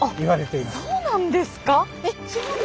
えっそうなんですか。